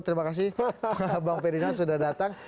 terima kasih bang ferdinand sudah datang